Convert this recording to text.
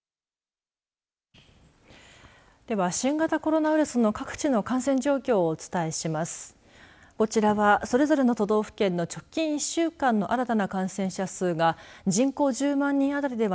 では、新型コロナウイルスの各地の感染状況をお伝えします。